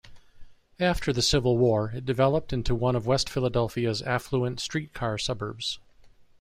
After the Civil War, it developed into one of West Philadelphia's affluent streetcar suburbs.